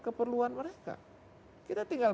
keperluan mereka kita tinggal